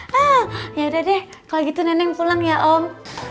hah yaudah deh kalau gitu neneng pulang ya om